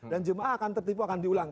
dan jamaah akan tertipu akan diulang